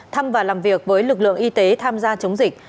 thăm và làm việc với lực lượng y tế tham gia chống dịch